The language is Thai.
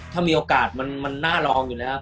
ถ้ามีโอกาสมันน่าลองอยู่แล้ว